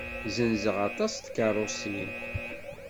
Zenzeɣ aṭas n tkeṛṛusin.